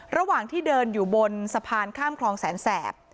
ระหว่างที่เดินอยู่บนสะพานข้ามคลองแสนแสบ